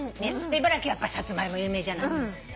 茨城やっぱサツマイモ有名じゃない。